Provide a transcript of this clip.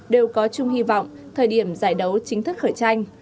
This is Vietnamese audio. đều có chung hy vọng thời điểm giải đấu chính thức khởi tranh